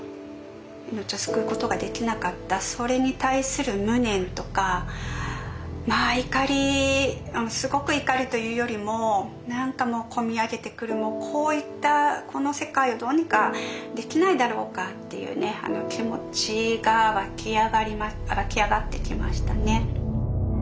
命を救うことができなかったそれに対する無念とかまあ怒りすごく怒るというよりも何かもうこみ上げてくるもうこういったこの世界をどうにかできないだろうかっていう気持ちが湧き上がってきましたね。